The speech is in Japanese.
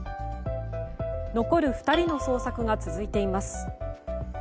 残る２人の捜索が続いています。